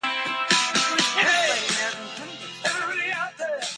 It is published by the American Chemical Society.